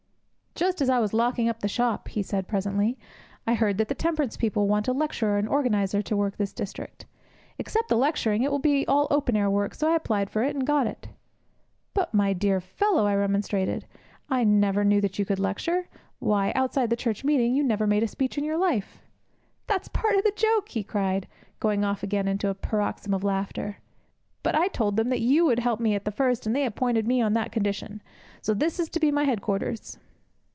'Just as I was locking up the shop,' he said, presently, 'I heard that the temperance people wanted a lecturer and organizer to work this district. Except the lecturing, it will be all open air work, so I applied for it, and got it!' 'But, my dear fellow,' I remonstrated, 'I never knew that you could lecture. Why, outside the church meeting, you never made a speech in your life!' 'That's part of the joke!' he cried, going off again into a paroxysm of laughter. 'But I told them that you would help me at the first, and they appointed me on that condition. So this is to be my head quarters!'